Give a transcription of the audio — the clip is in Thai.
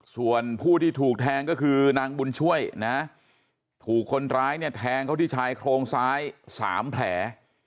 ส่วนผู้ที่ถูกแทงก็คือนางบุญช่วยนะถูกคนร้ายเนี่ยแทงเขาที่ชายโครงซ้าย๓แผล